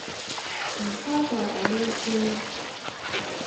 唔差在我呢一篇～